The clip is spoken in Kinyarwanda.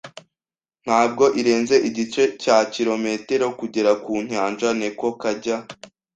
Ntabwo irenze igice cya kilometero kugera ku nyanja. (NekoKanjya)